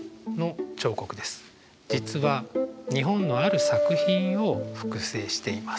実は日本のある作品を複製しています。